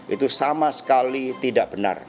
itu sama sekali tidak benar